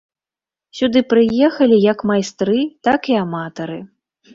Сюды прыехалі як майстры, так і аматары.